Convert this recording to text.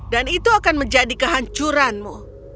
dan itu akan menjadi kehancuranmu